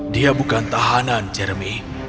dia bukan tahanan jeremy